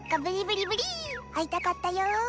会いたかったよ！